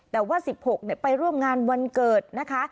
แต่ว่า๑๖ไปร่วมงานวันเกิดนะคะ